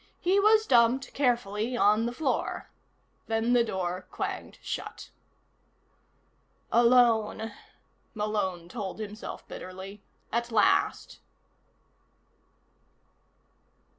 He was dumped carefully on the floor. Then the door clanged shut. Alone, Malone told himself bitterly, at last.